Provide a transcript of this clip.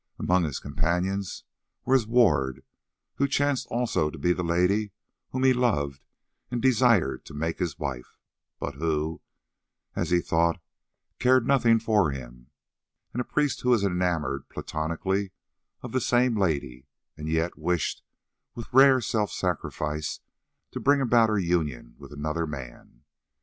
Among his companions were his ward, who chanced also to be the lady whom he loved and desired to make his wife, but who, as he thought, cared nothing for him; and a priest who was enamoured platonically of the same lady, and yet wished, with rare self sacrifice, to bring about her union with another man.